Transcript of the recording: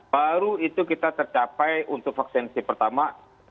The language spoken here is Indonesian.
baru itu kita tercapai untuk vaksinasi pertama